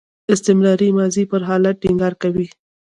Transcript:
استمراري ماضي پر حالت ټینګار کوي.